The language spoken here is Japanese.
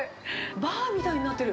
バーみたいになってる。